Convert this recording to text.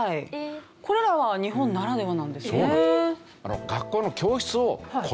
これらは日本ならではなんですね。